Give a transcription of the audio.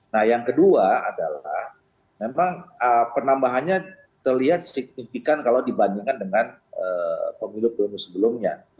nah yang kedua adalah memang penambahannya terlihat signifikan kalau dibandingkan dengan pemilu pemilu sebelumnya